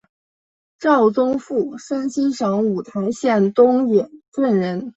赵宗复山西省五台县东冶镇人。